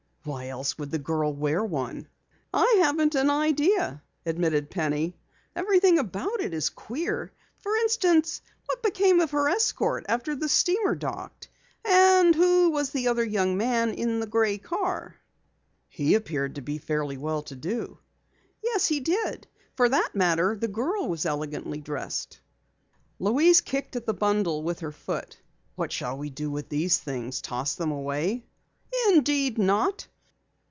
"Why else would the girl wear one?" "I haven't an idea," admitted Penny. "Everything about it is queer. For instance, what became of her escort after the steamer docked? And who was that other young man in the gray car?" "He appeared to be fairly well to do." "Yes, he did. For that matter, the girl was elegantly dressed." Louise kicked at the bundle with her foot. "What shall we do with these things? Toss them away?" "Indeed, not!"